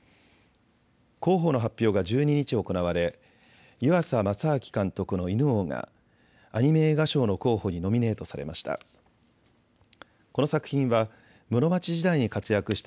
候補の発表が１２日、行われ湯浅政明監督の犬王がアニメ映画賞の候補にノミネートされました。